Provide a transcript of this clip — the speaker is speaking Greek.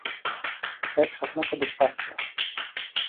Έξαφνα κοντοστάθηκα